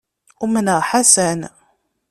Umneɣ Ḥasan.